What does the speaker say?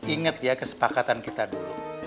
ingat ya kesepakatan kita dulu